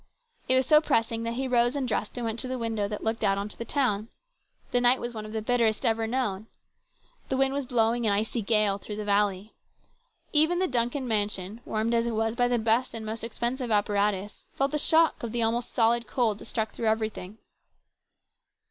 It was so pressing that he rose and dressed and went to the window that looked out on the town. The night was one of the bitterest ever known. The wind was blowing an icy gale through the valley. Even the Duncan mansion, warmed as it was by the best and most expensive apparatus, felt the shock of the almost solid cold that struck through everything.